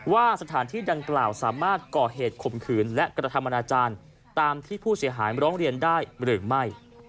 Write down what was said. ว่าสถานที่ดังกล่าวสามารถก่อเหตุข่มขืนและกระทำอนาจารย์ตามที่ผู้เสียหายร้องเรียนได้หรือไม่